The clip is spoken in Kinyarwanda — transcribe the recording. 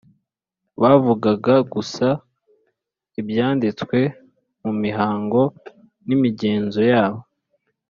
. Bavugaga gusa ibyanditswe mu mihango n’imigenzo yabo,